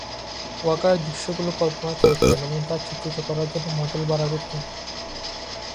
ওয়াকার দৃশ্যগুলি কল্পনা করতেন এবং তা চিত্রিত করার জন্য মডেল ভাড়া করতেন।